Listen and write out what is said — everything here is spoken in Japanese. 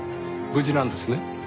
無事なんですね？